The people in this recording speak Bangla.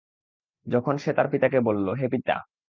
যখন সে তার পিতাকে বলল, হে পিতা!